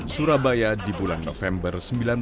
surabaya di bulan november seribu sembilan ratus empat puluh